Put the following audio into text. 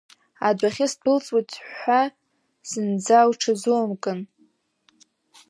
Адәахьы сдәылҵуеит ҳәы зынӡа уҽазумкын.